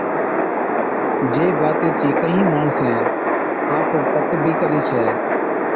جي باتي چِي ڪهِين ماڻسين آپ پڪ بِي ڪلِي ڇَي۔